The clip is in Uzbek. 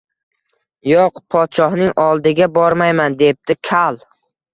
Yo‘q, podshoning oldiga bormayman, debdi kal